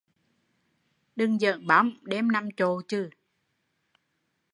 Đừng dỡn bóng, đêm nằm chộ chừ